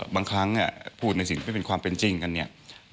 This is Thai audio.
บางครั้งพูดในสิ่งที่เป็นความเป็นจริงกันเนี่ย